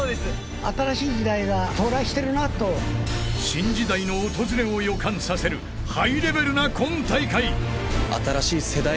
［新時代の訪れを予感させるハイレベルな今大会］